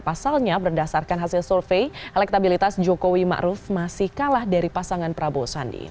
pasalnya berdasarkan hasil survei elektabilitas jokowi ma'ruf masih kalah dari pasangan prabowo sandi